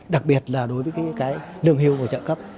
đặc biệt là đối với cái nương hưu và hỗ trợ cấp